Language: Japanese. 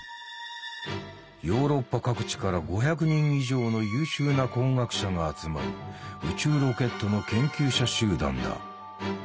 ヨーロッパ各地から５００人以上の優秀な工学者が集まる宇宙ロケットの研究者集団だ。